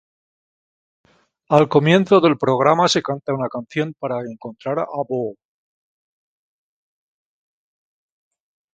Al comienzo del programa se canta una canción para encontrar a Boo!